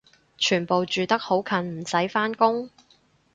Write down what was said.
全部住得好近唔使返工？